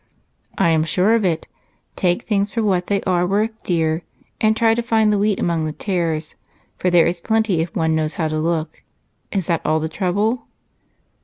"I am sure of it. Take things for what they are worth, dear, and try to find the wheat among the tares, for there is plenty if one knows how to look. Is that all the trouble?"